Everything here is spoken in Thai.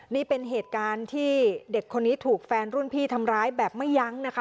นี่เป็นเหตุการณ์ที่เด็กคนนี้ถูกแฟนรุ่นพี่ทำร้ายแบบไม่ยั้งนะคะ